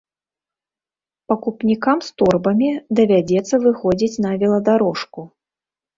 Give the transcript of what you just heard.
Пакупнікам з торбамі давядзецца выходзіць на веладарожку.